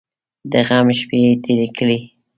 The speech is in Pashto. د غم شپې یې تېرې کړې.